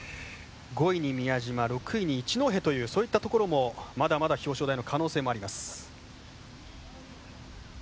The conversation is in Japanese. ５位に宮嶋、６位に一戸というそういったところも、まだまだ表彰台の可能性もあります。